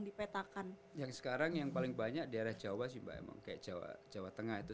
dipetakan yang sekarang yang paling banyak daerah jawa sih mbak emang kayak jawa jawa tengah itu